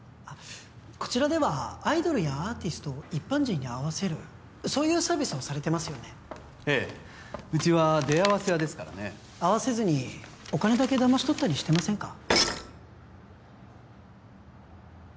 こちらではアイドルやアーティストを一般人に会わせるそういうサービスをされてますよねええうちは出会わせ屋ですからね会わせずにお金だけ騙し取ったりしてませんか？